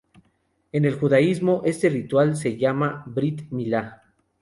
En el judaísmo, este ritual se llama Brit Milá.